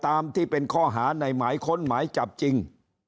ตามที่เป็นข้อหาในหมายค้นหมายจับจริง